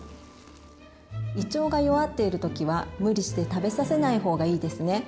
胃腸が弱っているときは無理して食べさせないほうがいいですね。